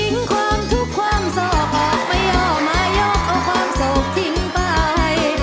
ยอดทิ้งความทุกความสบออกไปยอดมายกเอาความสบทิ้งไป